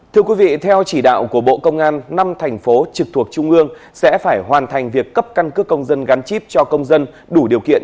thưa quý vị theo chỉ đạo của bộ công an năm thành phố trực thuộc trung ương sẽ phải hoàn thành việc cấp căn cước công dân gắn chip cho công dân đủ điều kiện